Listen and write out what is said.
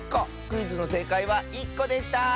クイズのせいかいは１こでした！